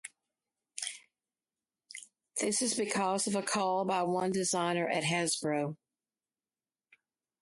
This is because of a call by one designer at Hasbro.